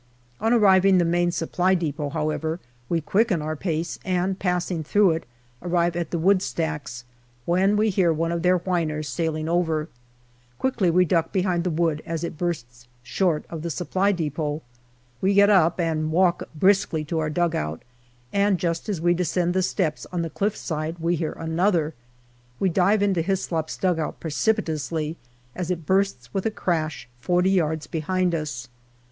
On approaching the Main Supply depot, how ever, we quicken our pace, and passing through it, arrive at the wood stacks, when we hear one of their whiners sailing over. Quickly we duck behind the wood as it bursts short of the Supply depot. We get up and walk briskly to our dugout, and just as we descend the steps on the cliff side we hear another. We dive into Hyslop's dugout 314 GALLIPOLI DIARY precipitously as it bursts with a crash forty yards behind us.